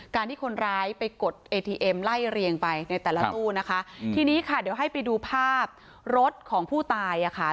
การที่คนร้ายไปกดเอทีเอ็มไล่เรียงไปในแต่ละตู้นะคะทีนี้ค่ะเดี๋ยวให้ไปดูภาพรถของผู้ตายอ่ะค่ะ